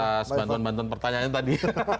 terima kasih atas bantuan bantuan pertanyaan tadi